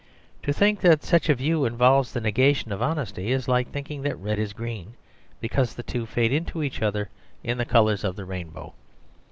To think that such a view involves the negation of honesty is like thinking that red is green, because the two fade into each other in the colours of the rainbow.